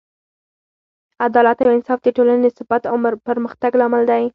عدالت او انصاف د ټولنې د ثبات او پرمختګ لامل دی.